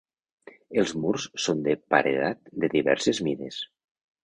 Els murs són de paredat de diverses mides.